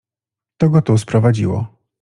"To go tu sprowadziło."